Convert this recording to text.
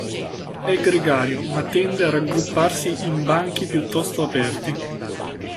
È gregario, ma tende a raggrupparsi in banchi piuttosto aperti.